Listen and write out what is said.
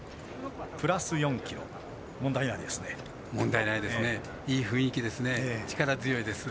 プラス４ｋｇ問題ないですね。